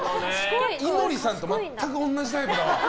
井森さんと全く同じタイプだわ。